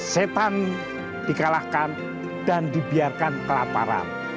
setan di kalahkan dan dibiarkan kelaparan